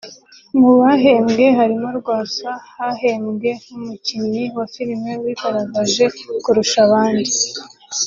Mu bahembwe harimo Rwasa hahembwe nk’umukinnyi wa filime wigaragaje kurusha abandi